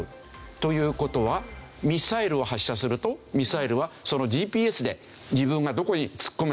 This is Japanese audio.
という事はミサイルを発射するとミサイルはそのＧＰＳで自分がどこに突っ込めばいいのかってわかるというわけですね。